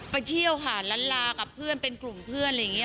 ไปเที่ยวค่ะล้านลากับเพื่อนเป็นกลุ่มเพื่อนอะไรอย่างนี้